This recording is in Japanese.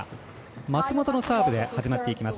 松本のサーブで始まっていきます。